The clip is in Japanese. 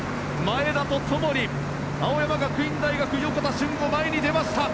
前田と共に青山学院大学、横田俊吾前に出ました。